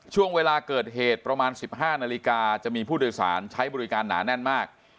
ช่วงเวลาเกิดเหตุประมาณ๑๕นาฬิกาจะมีผู้โดยสารใช้บริการหนาแน่นมาก